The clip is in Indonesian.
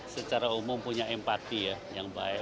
secara umum punya empati ya yang baik